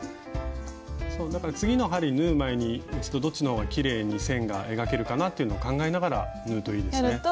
だから次の針縫う前にどっちの方がきれいに線が描けるかなっていうのを考えながら縫うといいですね。